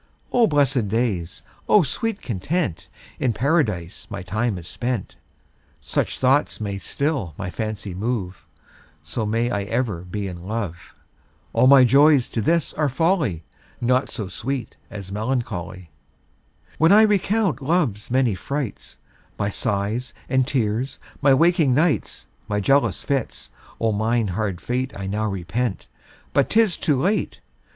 O blessed days, O sweet content, In Paradise my time is spent. Such thoughts may still my fancy move, So may I ever be in love. All my joys to this are folly, Naught so sweet as melancholy. When I recount love's many frights, My sighs and tears, my waking nights, My jealous fits; O mine hard fate I now repent, but 'tis too late.